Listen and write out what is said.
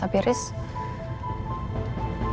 gue pikir itu susah banget